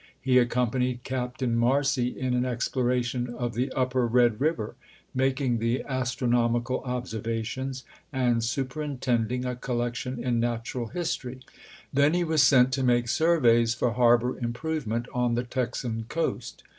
He accompanied Captain Marcy in an exploration of the Upper Red River, making the astronomical observations, and super intending a collection in natural history. Then he was sent to make surveys for harbor improvement on the Texan coast.